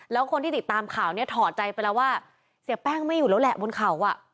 แล้วคนที่ติดตามข่าวเนี่ยถอดใจไปแล้วว่าเสียแป้งไม่อยู่แล้วแหละบนเขาอ่ะ